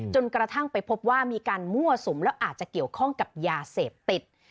จนกระทั่งไปพบว่ามีการมั่วสุมแล้วอาจจะเกี่ยวข้องกับยาเสพติด